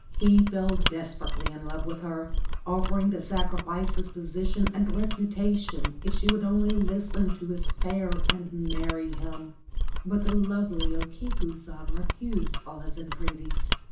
He fell desperately in love with her, offering to sacrifice his position and reputation if she would only listen to his prayer and marry him ; but the lovely O Kiku San refused all his entreaties.